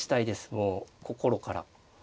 もう心から。